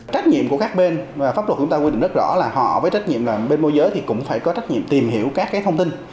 trách nhiệm của các bên và pháp luật của chúng ta quy định rất rõ là họ với trách nhiệm là bên môi giới thì cũng phải có trách nhiệm tìm hiểu các thông tin